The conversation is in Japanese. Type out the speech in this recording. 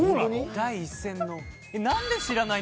第一線の。